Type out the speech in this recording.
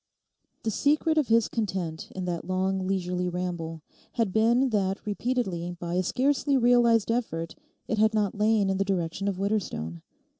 The secret of his content in that long leisurely ramble had been that repeatedly by a scarcely realised effort it had not lain in the direction of Widderstone.